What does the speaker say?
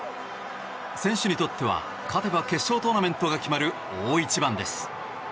選手にとっては勝てば決勝トーナメントが決まる大一番です。